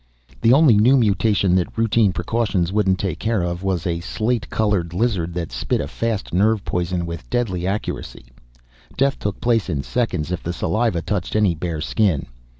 The only new mutation that routine precautions wouldn't take care of was a slate colored lizard that spit a fast nerve poison with deadly accuracy. Death took place in seconds if the saliva touched any bare skin.